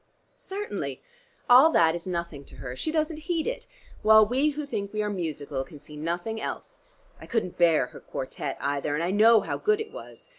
"Certainly: all that is nothing to her. She doesn't heed it, while we who think we are musical can see nothing else. I couldn't bear her quartette either, and I know how good it was.